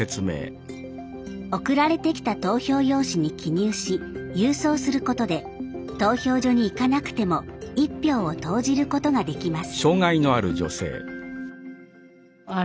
送られてきた投票用紙に記入し郵送することで投票所に行かなくても１票を投じることができます。